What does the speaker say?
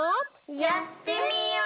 やってみよう！